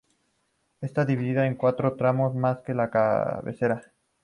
Está dividida en cuatro tramos más la cabecera.